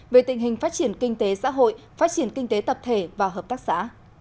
về tình hình phát triển kinh tế xã hội phát triển kinh tế tập thể và hợp tác xã